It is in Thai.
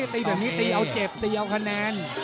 ตีแบบนี้ตีเอาเจ็บตีเอาคะแนน